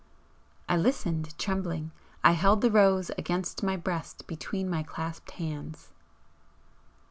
I listened, trembling; I held the rose against my breast between my clasped hands.